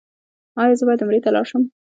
ایا زه باید عمرې ته لاړ شم؟